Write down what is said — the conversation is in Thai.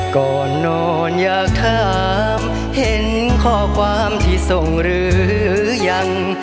ก่อนนอนอยากถามเห็นข้อความที่ส่งหรือยัง